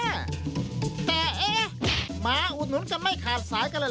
แต่หมาอุดหนุนก็ไม่ขาดสายก็เลยล่ะครับ